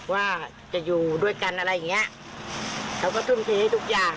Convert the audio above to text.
ว่าจะอยู่ด้วยกันอะไรอย่างเงี้ยเขาก็ทุ่มเทให้ทุกอย่าง